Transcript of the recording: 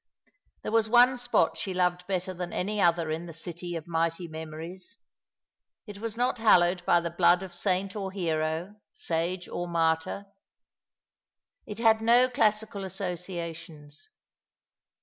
There was one spot she loved better than any other in the city of mighty memories. It was not hallowed by the blood of saint or hero, sage or martyr. It had no classical associa tions.